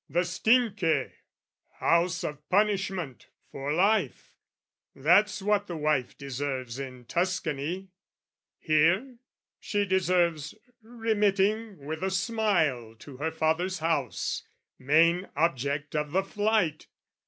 The Stinche, House of Punishment, for life, That's what the wife deserves in Tuscany: Here, she deserves remitting with a smile To her father's house, main object of the flight!